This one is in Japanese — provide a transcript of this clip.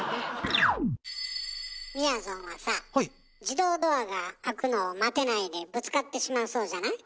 自動ドアが開くのを待てないでぶつかってしまうそうじゃない。